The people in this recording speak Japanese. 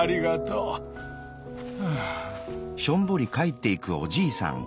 うん。